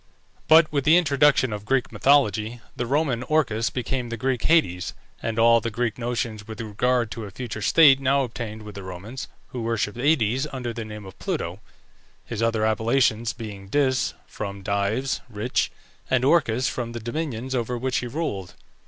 But with the introduction of Greek mythology, the Roman Orcus became the Greek Hades, and all the Greek notions with regard to a future state now obtained with the Romans, who worshipped Aïdes under the name of Pluto, his other appellations being Dis (from dives, rich) and Orcus from the dominions over which he ruled.